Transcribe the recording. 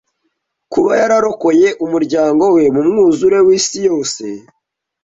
kuba yararokoye umuryango we mu mwuzure w’isi yose